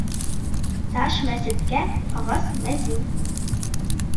Таш мәсеткә ағас мәзин.